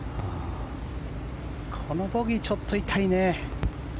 このボギー、ちょっと痛いね。